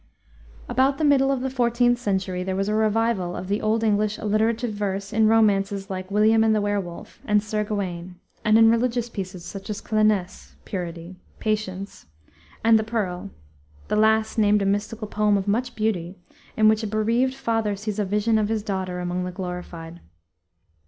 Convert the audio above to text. About the middle of the 14th century there was a revival of the Old English alliterative verse in romances like William and the Werewolf, and Sir Gawayne, and in religious pieces such as Clannesse (purity), Patience and The Perle, the last named a mystical poem of much beauty, in which a bereaved father sees a vision of his daughter among the glorified.